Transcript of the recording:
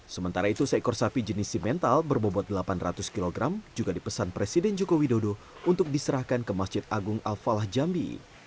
sementara itu seekor sapi jenis simental berbobot delapan ratus kg juga dipesan presiden joko widodo untuk diserahkan ke masjid agung al falah jambi